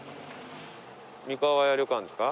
三河屋旅館ですか？